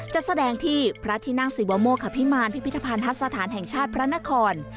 จะแสดงที่พระที่นั่งศิวโมคพิมารพิพิธภัณฑสถานแห่งชาติพระนคร